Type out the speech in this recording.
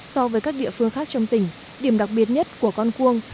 so với các địa phương khác trong tỉnh điểm đặc biệt nhất của con cuông